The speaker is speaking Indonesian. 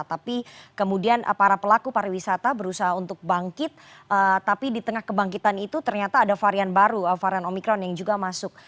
tapi kemudian para pelaku pariwisata berusaha untuk bangkit tapi di tengah kebangkitan itu ternyata ada varian baru varian omikron yang juga masuk